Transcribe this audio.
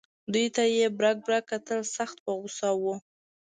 دوی ته یې برګ برګ کتل سخت په غوسه و.